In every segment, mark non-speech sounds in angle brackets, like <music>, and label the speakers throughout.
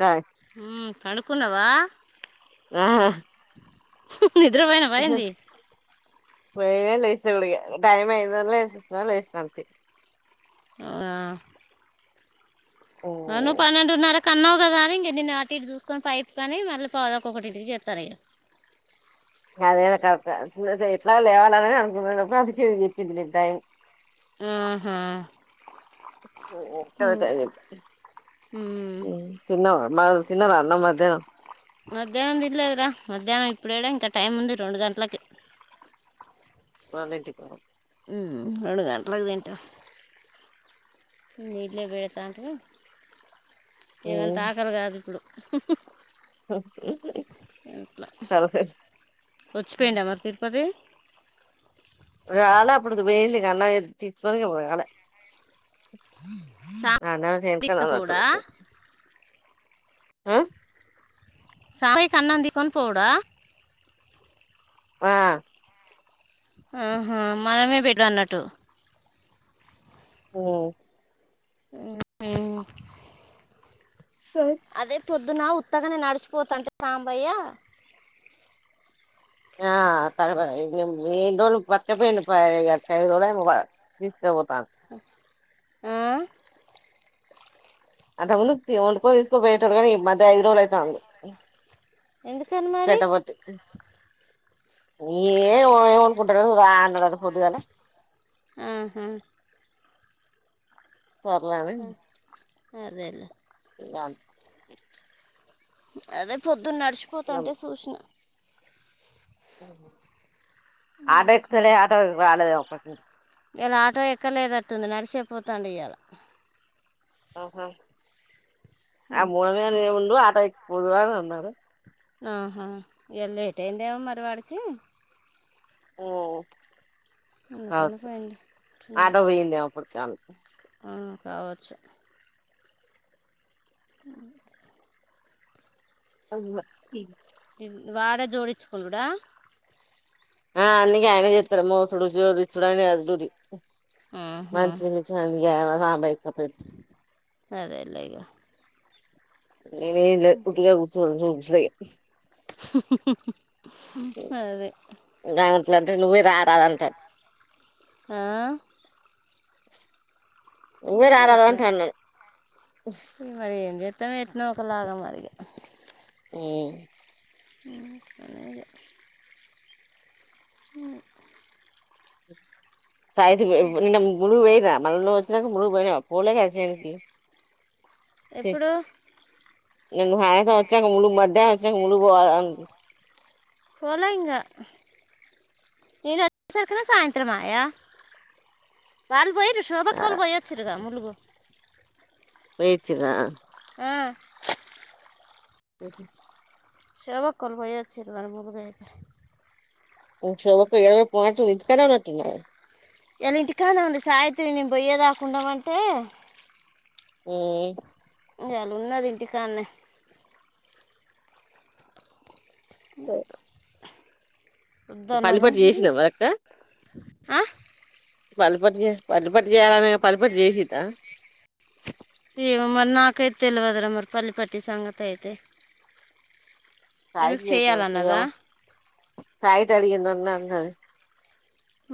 Speaker 1: కా
Speaker 2: ఉ కడుక్కున వా
Speaker 1: నాహ
Speaker 2: నిద్రపోయినవ ఏంది.
Speaker 1: పోయిన లేసండిగ టైమ్ ఐందన లేసేస్న లెస్నంతె
Speaker 2: ఆ అ నువ్వు పన్నెండు నర్రకు అన్నావు దని ఇంక నిన్న నాటి ఇంటి చూసుకొని పైప్ కాని మళ్ళీ పదక్కొ ఒకటింటికి చేస్తారు ఇక
Speaker 1: అదే క ఎట్లా లేవాల <unintelligible>
Speaker 2: ఆహా
Speaker 1: ఉ
Speaker 2: ఉమ్, ఉమ్.
Speaker 1: తిన్నావా మా తిన్నారా అన్నం మధ్యాహ్నం
Speaker 2: తా మధ్యాహ్నం ఇప్పుడేడ ఇంకా టైం ఉంది రెండు గంటలకి
Speaker 1: వాలంటికి పో
Speaker 2: ఉ రెండు గంటలకు తింటాం నీళే వెడతాంటిమి ఏమంటా ఆకలి కాదు ఇప్పుడు ఇట్లా వచ్చిపోయిందా మరి తిరుపతి
Speaker 1: రాల అప్పుడుపోయేసి ఇగ అన్నం తీసుకొనిపోయి రాలే
Speaker 2: సా-
Speaker 1: అన్నానికి ఇంటి కాడికి
Speaker 2: తీసుకుపోవుడా
Speaker 1: వచ్చడు ఆ
Speaker 2: స్వామికి అన్నం తీకొని పోడా
Speaker 1: ఆ
Speaker 2: ఆహా మనమే పెట్టు అన్నట్టు
Speaker 1: ఉ
Speaker 2: ఉహు
Speaker 1: స
Speaker 2: పొద్దున ఉత్తగనే నడిచిపోతంటే సాంబయ్య
Speaker 1: ఆ కనపడ ఏందో బట్టబయలు పాయ తీసుకుపోతాడు
Speaker 2: ఆ
Speaker 1: అంతకు ముందు తి వండుకొని తీసుకో పోయేటోడుగాని ఈమధ్య హీరోలు అయితాండు
Speaker 2: ఎందుకని మరి
Speaker 1: సటపట్టు ఏ ఏమనుకుంటారు రా అన్నదిపోద్దుగలా
Speaker 2: ఆహా
Speaker 1: సర్లే అని
Speaker 2: అదేలే
Speaker 1: నా
Speaker 2: అదే పో తు నడిచిపోతాంటే సూచిన
Speaker 1: అవును ఆటో ఎకుతలే ఆటోలు రాలేదేమో పటు నుంచి
Speaker 2: ఇలా ఆటో ఎక్కలేదట్టుంది నడిచేపోతుండు ఇయాలా
Speaker 1: ఆహా ఆ మూనమనే ముందు ఆటో ముందుగాలానే అన్నర
Speaker 2: ఆహా ఇయల్ లేట్ అయిందేమో మరివాడికి
Speaker 1: మ్
Speaker 2: అందుకని
Speaker 1: కావొచ్చు
Speaker 2: పోయింది
Speaker 1: ఆటో పోయిందేమప్పుడు చాల
Speaker 2: ఆ కావచ్చు ఈ
Speaker 1: అవ్ను
Speaker 2: వారె జోడిచుకోనుడా
Speaker 1: ఆ అందుకె ఆయనే చెత్తడు మోసుడు జోడిచ్చుడు అయినదే అది డ్యూటీ
Speaker 2: ఆహా,
Speaker 1: మంచిని చవి బైకపో <inaudible>
Speaker 2: అదే లేఇగా
Speaker 1: నేనేం లేదు ఉట్టిగ కూచొన్ రీ <inaudible>
Speaker 2: <unintelligible> అదే
Speaker 1: దాన్నట్లంటే నువ్వే రారదంటాడు
Speaker 2: ఆ
Speaker 1: <inaudible> రారాదు
Speaker 2: కనిపియ్యట్ల
Speaker 1: అంట అన్నాడు
Speaker 2: ఈ మరి ఎం జేత్ త్తం ఎట్ట్నో ఒకలాగా మరి
Speaker 1: హు
Speaker 2: ఇంకా లేదు మ్
Speaker 1: తయత్తు పోయ్ నిన్న గుడుకు పోయిర్ర మళ్ళ నువ్వు ఒచ్చినంక ములుగు పోయినావ పోలె కదా చేనికి
Speaker 2: ఎప్పుడు
Speaker 1: నిన్న సాయంతం వచ్చినంక ములుగు మధ్యనం వచ్చినాక ములుగు పోదాం అంది
Speaker 2: పోలే ఇంగ నేను వచ్చే సరకల సాయంత్రం ఆయా పోయిరు శోబక్కొల్లు పోయివచ్చిర్రు గా ములుగు
Speaker 1: పోయ్ వచ్చిరా
Speaker 2: ఆ,
Speaker 1: క <inaudible>
Speaker 2: శోబక్కోళ్లు పోయి వచ్చిర్రు వాళ్ళు ముందు పోయిర్రు
Speaker 1: మి శోభక్క ఇయాల పొనట్టుంది ఇంటికాడనే ఉన్నట్టు ఉన్నాదిగా
Speaker 2: ఇయ్యల ఇంటికాన్నే ఉంది సావిత్రి నేను బోయే దాకా ఉండమంటే
Speaker 1: ఏ
Speaker 2: ఇయ్యల ఉన్నది ఇంటికాన్నే ఇంకా
Speaker 1: పల్లి పట్టి జేసినవా అక్క
Speaker 2: ఆ?
Speaker 1: పల్లిపట్టే పల్లిపట్టే జేయ్యాలనే పల్లిపట్టి జేసిందా
Speaker 2: ఏమో మరి నాక్ ఎత్ తెలువదు రా మరి పల్లిపట్టి సంగతి అయితే ఎందుకు చేయాలన్నదా
Speaker 1: సావిత్రి అడిగింది ఉన్న ఉన్న అని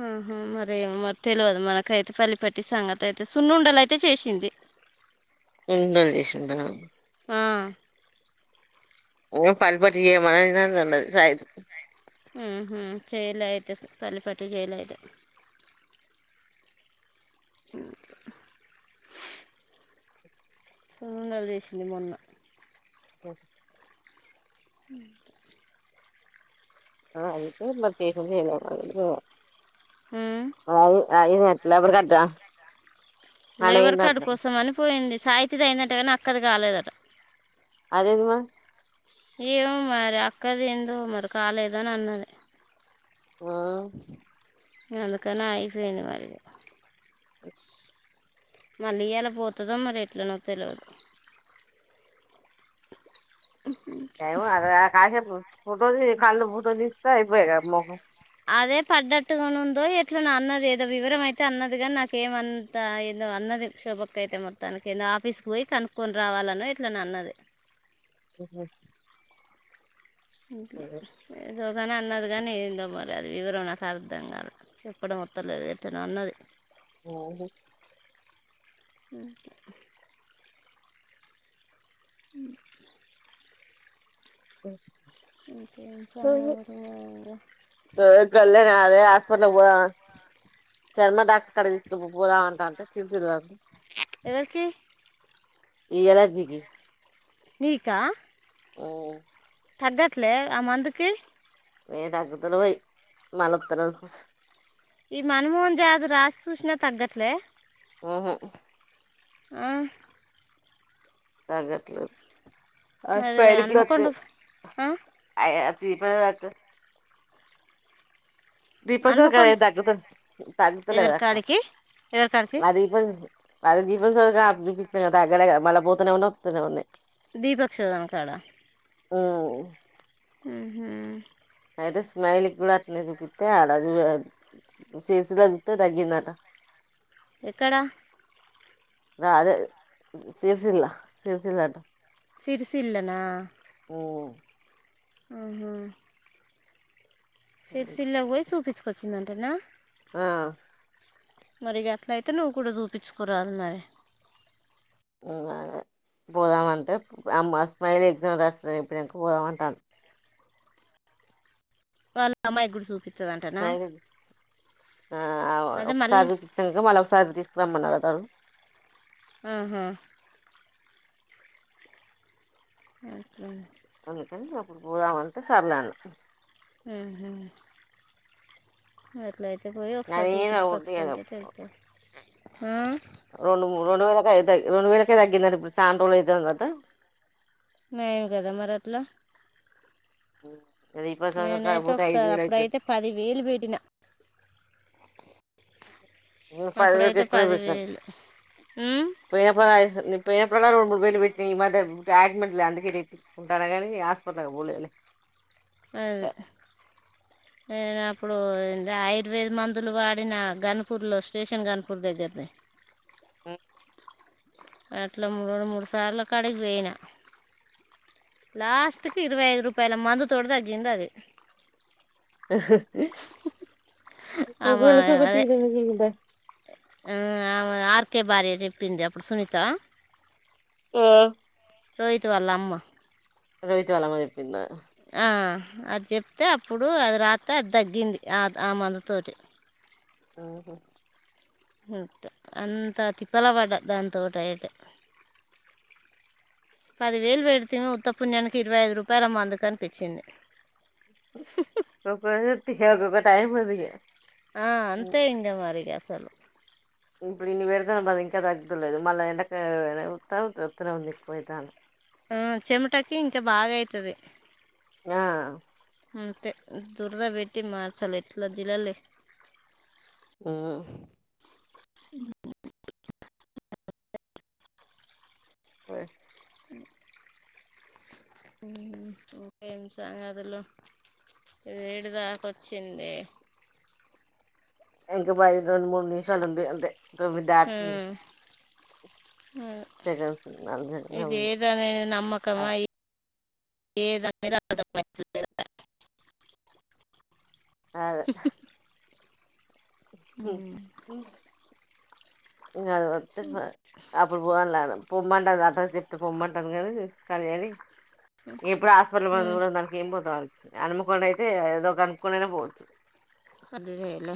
Speaker 2: ఆహా మరి ఏమో మరి తెలువదు మనకైతే పల్లిపట్టి సంగతి అయితే సున్నుండలు అయితే చేసింది
Speaker 1: న్నుండ జేసిందా
Speaker 2: ఆ
Speaker 1: ఓ పల్లి పట్టి జేయ్యమని నన్ను అన్నది సావి
Speaker 2: ఉహు చేయలే అయితే పల్లి పట్టి చేయలే అయితే జ గ్ర సున్నుండలు జేసింది మొన్న
Speaker 1: హ్మ్
Speaker 2: హ్మ్
Speaker 1: ఆ అంతే మరి చేసిందో చెయ్యాలో మాక్ తెల్దువ
Speaker 2: ఉమ్,
Speaker 1: అయి అయినన్ లేబర్ కట్టా
Speaker 2: లేబర్
Speaker 1: అడయింది
Speaker 2: కార్డు
Speaker 1: అట్లా
Speaker 2: కోసం అని పోయింది సావిత్రిది అయిందట గాని అక్కది కాలేదట
Speaker 1: అది ఏంది మా
Speaker 2: ఏమో మరి అక్కది ఏందో మరి కాలేదు అని అన్నది
Speaker 1: ఆ
Speaker 2: ఎందుకని అయిపోయింది మరి మళ్ళీ ఇయాల పోతదో మరి ఎట్లనో తెలువదు
Speaker 1: టైం అర్ర కాసేపు ఫోటోది కల్లు పోటో దీతే అయ్యిపోయే గా మొఖం
Speaker 2: ఇట్లా నా అన్నది ఏదో వివరం అయితే అన్నది కానీ నాకు ఏమంతా ఏదో అన్నది శోభ అక్క అయితే మొత్తానికి నా ఆఫీస్ కి పోయి కనుక్కొని రావాలన్న ఇట్లా నా అన్నది
Speaker 1: <unintelligible>
Speaker 2: ఇంట్ల ఏదో గాని అన్నది గాని ఏందో మరి అది వివరం నాకు అర్థం కాల చెప్పడం అత్త లేదు ఎట్టనో అన్నది
Speaker 1: అయిందే
Speaker 2: ఉ ఉ
Speaker 1: అ
Speaker 2: ఇంకేమ్ చా ఆరువేగా
Speaker 1: కళ్యాణ అదే హాస్పటల్ కు పోదమా చర్మ డాక్టర్ కడకి తీసుకు పోదామ్ అంట అంటే తెలిసింది నాకు
Speaker 2: ఎవరికి
Speaker 1: ఈ ఎలర్జీ కి
Speaker 2: నీకా
Speaker 1: అఓ
Speaker 2: తగట్లే అ మందుకి
Speaker 1: ఏ దాగుతలేవ్ అయ్ మలత గని కుస్
Speaker 2: ఈ మన్మోహన్ జదు రాసి చూసినా తగ్గట్లే
Speaker 1: ఓహో
Speaker 2: ఆ
Speaker 1: తగట్లదు ఆ
Speaker 2: మరి
Speaker 1: ఫైలికలు
Speaker 2: హన్మకొండ ఆ?
Speaker 1: వొచ్చినయ్ దీపే అత దీపతో గదే
Speaker 2: హన్మకొండ
Speaker 1: దగుత
Speaker 2: ఎవరి కాడికి ఎవరి కాడికి
Speaker 1: అదిపించ చూపించాను కదా తగలే మళ్ళా పోతనే ఉన్నయ్ అతనే ఉన్నయ్
Speaker 2: ద్వి పక్షదన కాడ
Speaker 1: ఓ
Speaker 2: ఊహు
Speaker 1: అయితే స్మైల్క్ కూడా అట్నే చూపితే ఆడ ఇగ సేసు చూతేే తగ్గిందట
Speaker 2: ఎక్కడ
Speaker 1: అదే సరిసిలా సరిసిలాట
Speaker 2: సరిసిల నా
Speaker 1: ఉమ్
Speaker 2: ఆహా సిర సిల ఓయి చూపిచ్ కచ్చిందంటనా
Speaker 1: ఆ
Speaker 2: మరి అట్ల అయితే నువ్వు కూడా చూపించుకోరాదు మరి
Speaker 1: ఊ అదే పోదామంటే అమ్మ స్మైల్ ఎగ్జామ్ రాసుడు ఐపోయ్ నంక పోదామంటను
Speaker 2: వాళ్ళ అమ్మాయి ఎ గుడు చూడ్
Speaker 1: స్మైలీ ది ఆ
Speaker 2: అదే మళ్ళీ
Speaker 1: ఒకసారి చూపించినాక మళ్ళీ ఒకసారి తీసుకురమ్మన్నారు అగు
Speaker 2: ఆహా ఓకే
Speaker 1: అందుకని అప్పుడు పోదామంటే సరలే అన్న
Speaker 2: ఏహి మరి అట్ల అయితే పోయి ఒకసారి
Speaker 1: నేను
Speaker 2: చూపించుకొచ్చుకుంటే తెళ్తది
Speaker 1: రెండు రెండు వేలక రెండు వేలకే తగ్గిందాట ఇప్పుడు చాండ్రోలు అయితదట
Speaker 2: న ఏం కదా మరట్లా
Speaker 1: ఓ
Speaker 2: నేనైతే ఒకసారి అప్పుడైతే పది వేలు పెట్టినా
Speaker 1: ఓహ ఊ పది వేలకు
Speaker 2: అప్పుడైతే
Speaker 1: ఎక్కువనే చూసినం
Speaker 2: పదివేలు ఉమ్?
Speaker 1: పోయిన పని ఐతద్ నీ పోయిన పన్ ఇలా రెండు మూడు వేలు పెట్టిన ఈ మ యాడ్మెంట్ అందుకే ర తీసుకుంటారా కానీ హాస్పిటల్ పోలేదు లే
Speaker 2: అదే నే అప్పుడు అదే ఆయుర్వేద మందులు వాడిన గన్పూర్లో స్టేషన్ గన్పూర్ దగ్గరది
Speaker 1: ఊ
Speaker 2: అట్లా మూడు రెండు మూడు సార్లా కాడికిపోయినా లాస్ట్కి ఇరవై ఐదు రూపాయల మందు తోటి తగ్గిందది.
Speaker 1: ఒకోళ్ళకొకటి <unintelligible>
Speaker 2: ఆ ఆమె ఆర్ కే బార్య చెప్పింది సునీతా
Speaker 1: ఆ
Speaker 2: రోహిత్ వాళ్ళ అమ్మ
Speaker 1: రోహిత్ వాళ్ళ అమ్మ చెప్పిందా
Speaker 2: ఆ అది చెప్తే అప్పుడు అది రాత్తే అది తగ్గింది ఆ ఆ మందు తటి
Speaker 1: ఆహా
Speaker 2: అంతా తిప్పల పడ్డా దాంతోటయితే పది వేలు పెడితే ఉత్తపుుణ్యానికి ఇరవై ఐదు రూపాయల మందుకనిపించింది
Speaker 1: <unintelligible> హే అగోగా టైమదిగ
Speaker 2: ఆ అంతే ఇంగ మరిగా సలు
Speaker 1: ఇప్పుడు ఇన్ని పెడతాను బా ఇంకా తగ్దులేదు మళ్ళా ఎండకా వత్తనే ఉంది ఎక్కువైతాన్ది.
Speaker 2: ఆ చెమటకి ఇంకా బాగా అయితది
Speaker 1: ఆ
Speaker 2: అంతే దురద బెట్టి మాసలే ఎట్లా జిల్లలే
Speaker 1: ఆ
Speaker 2: <unintelligible>
Speaker 1: ఆ
Speaker 2: ఉ ఊ ఓకే ఏం సంగతులు వేడిదాకా వచ్చింది.
Speaker 1: ఎంక బాయ్ రెండు మూడు నిమిషాలుంది అంతే తొమ్మిది
Speaker 2: ఆ,
Speaker 1: దాటింది. సెకండ్స్ నాలుగు సెకండ్స్
Speaker 2: ఇది
Speaker 1: ఉంది
Speaker 2: ఏదనేది
Speaker 1: ఆ-
Speaker 2: నమ్మకమా ఏద్ <unintelligible>
Speaker 1: అదే ఉ ఉ ఇంగదే వత్తే పో అప్పుడు పోవ <unintelligible> పొమ్మంట అడ్రస్ చెప్తే పొమ్మంటను కదానేను కలియని ఎప్పుడు హాస్పిటల్
Speaker 2: ఉమ్,
Speaker 1: <unintelligible> పదకొండు అయితే ఏదో కనుకునైనా పోవచ్చు
Speaker 2: అదిదేలే.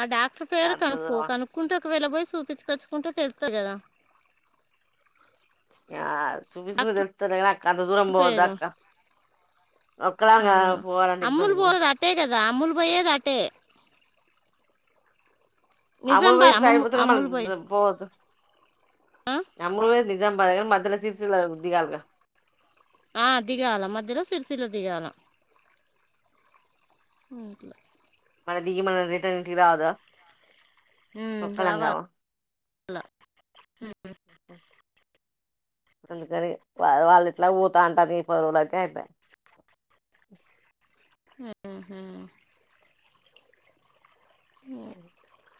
Speaker 2: ఆ డాక్టర్ పేరు
Speaker 1: అంత
Speaker 2: కనుక్కో
Speaker 1: దూరం
Speaker 2: కనుక్కుంటే ఒకవేళ పోయి సు చూపిచ్చుకచ్చుకుంటే తేలుత్తది కదా
Speaker 1: ఆ చూపించుకుంటే
Speaker 2: డాక్టర్
Speaker 1: తేలుత్తది అక్క అంత దూరం పోవద్దా
Speaker 2: పేరు
Speaker 1: అక్క ఒక్కదానికే పోవాలంటే ఇబ్బంది కదా
Speaker 2: గా అమ్ములు బోయేదట్టే
Speaker 1: అమలు వయి
Speaker 2: అమ్ము
Speaker 1: సాయిపోతుక మ
Speaker 2: అమ్ములు పోయే
Speaker 1: పోదు
Speaker 2: ఆ?
Speaker 1: అమలు వై ఇజాబద మధ్యలో సిరిసిల్ల ఉందిగా దిగాలగా
Speaker 2: ఆ దిగాాల మధ్యలో సిరిసిలో దిగాాల ఇక
Speaker 1: మన దిగి మన రిటర్న్ంటికి రాదా
Speaker 2: హ్మ్మ్ చవాాల అలా
Speaker 1: అందుకని వా వాళ్ళు ఇట్లా పోఊతా అంటారు ఈ పరువుల అయితే ఐపాయ్
Speaker 2: హ్మ్మ్
Speaker 1: అ <inaudible>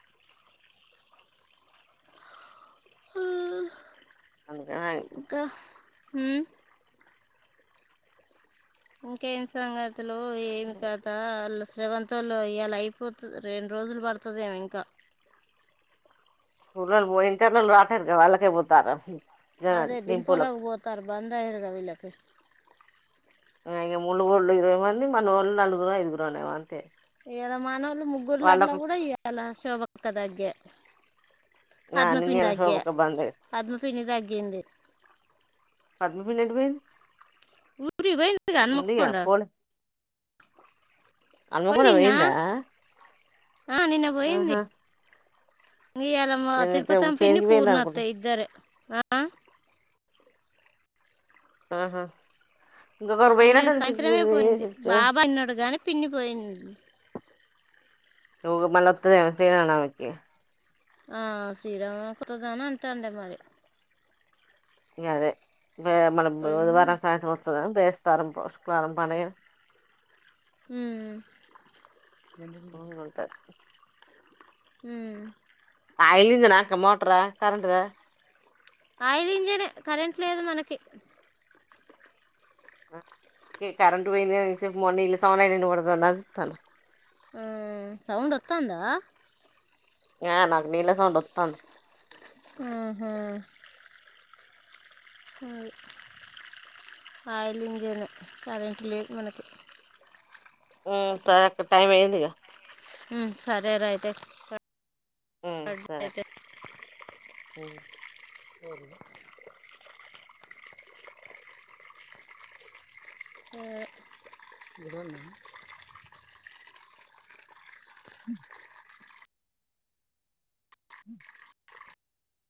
Speaker 2: ఆ
Speaker 1: అందుకే
Speaker 2: హ్మ్మ్ ఇంకేం సంగతి ఇందులో ఏమి కత వాళ్ శవంతల్లో ఇలా అయిపోతుంది రెండు రోజులు పడుతుందిేమో ఇంకా
Speaker 1: పర్లలు పో ఇంటర్నలు రాటారు క వాళ్ళకే పోతారా
Speaker 2: అదే డింపల్లాగ పోతారు బంద్ అయ్యారుగా ఏళ్లకు
Speaker 1: ఇంక ముడుగుోళ్ళు ఇరవై మంది మన వాళ్ళు నాలుగురు ఐదుగురునే అంతే
Speaker 2: ఇయల మనోర్ ముగ్గురుల అట్ల
Speaker 1: వాళ్ళకు
Speaker 2: కూడా ఇయాల శోభక్క దగ్గ
Speaker 1: ఆ
Speaker 2: పద్మ పిన్నీ
Speaker 1: నిన్నేళ్ళ
Speaker 2: తగ్గే
Speaker 1: శోభక్క బంద్
Speaker 2: పద్మ పిన్ని తగ్గింది
Speaker 1: పద్మ పిన్ని ఎటువెంది
Speaker 2: ఉరికి పోయింది గా హన్నకొండ
Speaker 1: పోలే హన్మకొండ
Speaker 2: నిన్న
Speaker 1: పోయిందా
Speaker 2: ఆ నిన్న పోయింది
Speaker 1: ఆహా
Speaker 2: ఇయల మా
Speaker 1: నేను ఇంకా
Speaker 2: తిరుపతమ పిన్ని
Speaker 1: చేనికి పోయింది
Speaker 2: పూర్ణత్త
Speaker 1: అనుకున్నా
Speaker 2: ఇద్దరే ఆ
Speaker 1: ఆహా ఇంకొకరు
Speaker 2: నిన్న
Speaker 1: పోయినట్టు
Speaker 2: సాయంత్రమే పోయింది బాబాయి ఉన్నాడు గాని పిన్ని పోయింది
Speaker 1: ఉ మళ్ళ అత్తడి గద శ్రీరామనవమికి
Speaker 2: ఆ శ్రీరామనవమి కొత్తదాని అంటాండే మరి
Speaker 1: ఇంగా అదే మే మన బుధవారం
Speaker 2: పోయింది
Speaker 1: సాయంత్రం వస్తద బేస్తవారం పు శుక్రవారం పండుగెన
Speaker 2: హ్మ్మ్
Speaker 1: ఉంటది
Speaker 2: ఉమ్
Speaker 1: ఆయిల్ ఇంజనక్క మోటర కరెంట్ ద
Speaker 2: ఆయిల్ ఇంజనే కరెంట్ లేదు మనకి
Speaker 1: గి కరెంట్ పోయింది గింతసేపు మో నీళ్ల సౌండ్ అయితంది మోటార్సౌండ్ అని చూతన్నా
Speaker 2: ఉ సౌండ్ వత్తందా
Speaker 1: ఆ నాకు నీళ్ల
Speaker 2: ఆహా ఆయిల్ ఇంజనే కరెంట్ లేదు మనకి
Speaker 1: ఉ సరే టైం అయిందిగా
Speaker 2: ఉ సరే రా అయితే సరే
Speaker 1: సరే
Speaker 2: అయితే
Speaker 1: ఉమ్
Speaker 2: <inaudible> సరే
Speaker 1: హు